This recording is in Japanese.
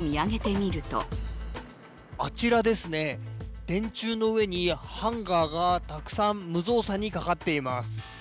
そこにある何の変哲もない電柱を見上げてみるとあちらですね、電柱の上にハンガーがたくさん無造作にかかっています。